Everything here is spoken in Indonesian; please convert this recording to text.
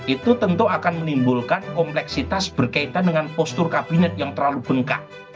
itu tentu akan menimbulkan kompleksitas berkaitan dengan postur kabinet yang terlalu bengkak